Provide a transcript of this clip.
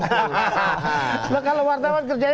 kalau wartawan kerjanya